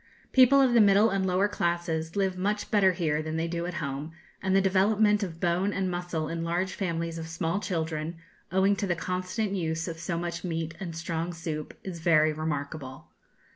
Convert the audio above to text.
People of the middle and lower classes live much better here than they do at home, and the development of bone and muscle in large families of small children, owing to the constant use of so much meat and strong soup, is very remarkable.